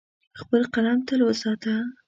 خپل قلم تل وساته.